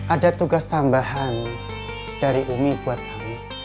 ada tugas tambahan dari umi buat kami